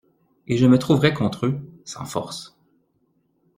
Et je me trouverais contre eux, sans force.